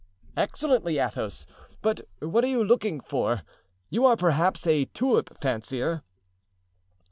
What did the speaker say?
"Excellently, Athos, but what are you looking for? You are perhaps a tulip fancier?"